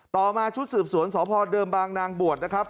ต่อมาชุดสืบสวนสพเดิมบางนางบวชนะครับ